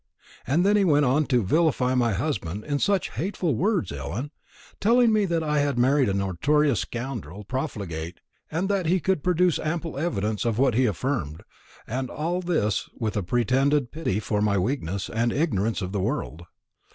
And then he went on to vilify my husband in such hateful words, Ellen; telling me that I had married a notorious scoundrel and profligate, and that he could produce ample evidence of what he affirmed; and all this with a pretended pity for my weakness and ignorance of the world.